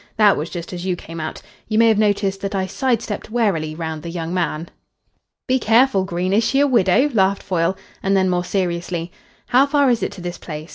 That was just as you came out. You may have noticed that I side stepped warily round the young man." "Be careful, Green. Is she a widow?" laughed Foyle. And then, more seriously: "How far is it to this place?